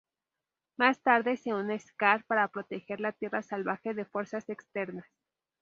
Más tarde, se une a Skaar para proteger la Tierra Salvaje de fuerzas externas.